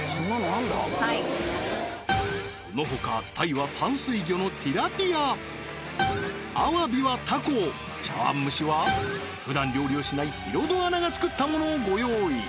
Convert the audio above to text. はいそのほか鯛は淡水魚のティラピアあわびはタコを茶碗蒸しはふだん料理をしないヒロドアナが作ったものをご用意